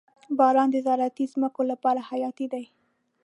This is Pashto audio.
• باران د زراعتي ځمکو لپاره حیاتي دی.